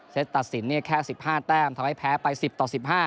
ตัดสินแค่๑๕แต้มทำให้แพ้ไป๑๐ต่อ๑๕